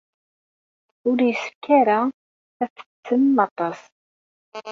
Ur yessefk ara ad tettettem aṭas.